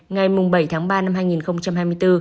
ngày bảy tháng ba năm hai nghìn hai mươi bốn